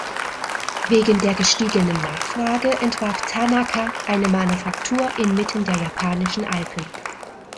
Wegen der gestiegenen Nachfrage entwarf Tanaka eine Manufaktur inmitten der japanischen Alpen.